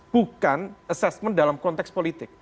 bukan assessment dalam konteks politik